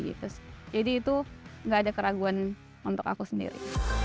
jadi itu nggak ada keraguan untuk aku sendiri